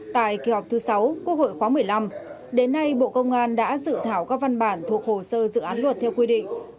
tại kỳ họp thứ sáu quốc hội khóa một mươi năm đến nay bộ công an đã dự thảo các văn bản thuộc hồ sơ dự án luật theo quy định